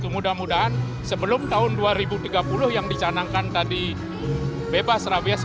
mudah mudahan sebelum tahun dua ribu tiga puluh yang dicanangkan tadi bebas rabies